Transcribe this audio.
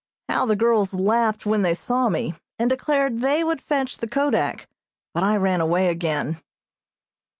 How the girls laughed when they saw me, and declared they would fetch the kodak, but I ran away again.